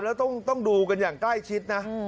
แล้วต้องดูกันอย่างใกล้ชิดนะ